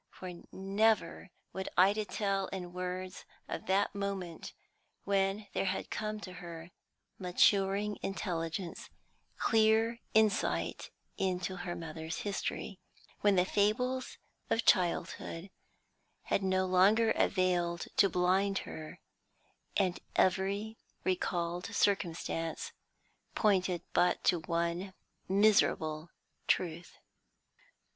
For never would Ida tell in words of that moment when there had come to her maturing intelligence clear insight into her mother's history, when the fables of childhood had no longer availed to blind her, and every recalled circumstance pointed but to one miserable truth.